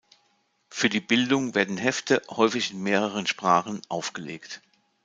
Für die Bildung werden Hefte, häufig in mehreren Sprachen, aufgelegt.